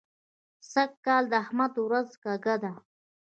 سږ کال د احمد ورځ کږه ده.